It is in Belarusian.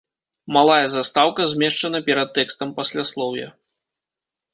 Малая застаўка змешчана перад тэкстам пасляслоўя.